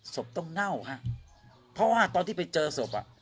สมต้องเร่าม่าเพราะว่าตอนที่ไปเจอสติธรรม